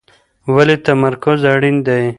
ولي تمرکز اړین دی؟